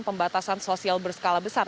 pembatasan sosial berskala besar